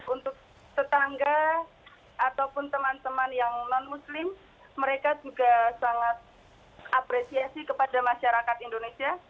untuk tetangga ataupun teman teman yang non muslim mereka juga sangat apresiasi kepada masyarakat indonesia